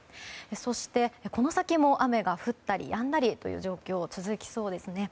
そしてこの先も雨が降ったりやんだりという状況が続きそうですね。